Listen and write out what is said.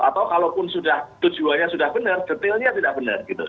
atau kalaupun tujuannya sudah benar detailnya tidak benar gitu